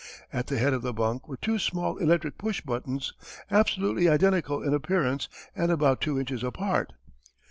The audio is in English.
At the head of the bunk were two small electric push buttons absolutely identical in appearance and about two inches apart.